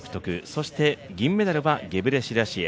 そして、銀メダルはゲブレシラシエ。